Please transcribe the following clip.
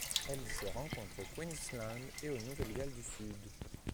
Elle se rencontre au Queensland et au Nouvelle-Galles du Sud.